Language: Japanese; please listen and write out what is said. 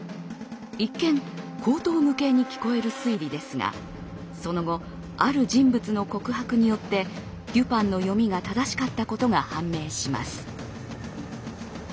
一見荒唐無稽に聞こえる推理ですがその後ある人物の告白によってデュパンの読みが正しかったことが判明します。